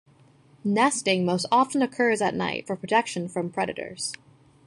Nesting most often occurs at night for protection from predators.